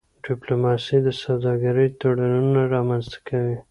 ډيپلوماسي د سوداګری تړونونه رامنځته کوي.